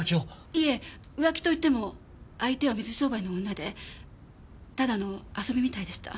いえ浮気といっても相手は水商売の女でただの遊びみたいでした。